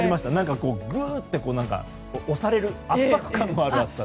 ぐって押される圧迫感のある暑さ。